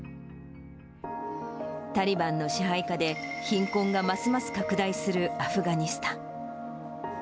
タリバンの支配下で、貧困がますます拡大するアフガニスタン。